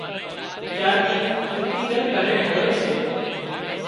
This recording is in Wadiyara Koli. چاٻي چوڪيدار ڪن هوئي سي